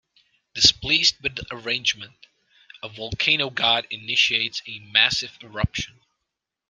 Displeased with the arrangement, a volcano god initiates a massive eruption.